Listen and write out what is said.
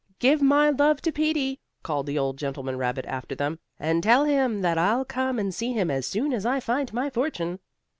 "Give my love to Peetie!" called the old gentleman rabbit after them, "and tell him that I'll come and see him as soon as I find my fortune."